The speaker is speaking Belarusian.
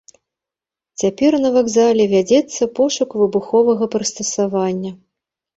Цяпер на вакзале вядзецца пошук выбуховага прыстасавання.